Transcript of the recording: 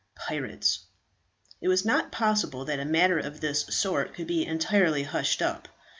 PIRATES. It was not possible that a matter of this sort could be entirely hushed up.